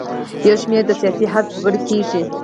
یو شمېر د سیاسي حزب غړي کیږي.